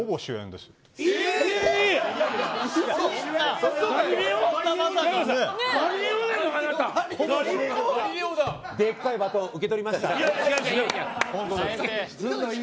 でっかいバトン受け取りました。